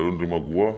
ya lu nerima gua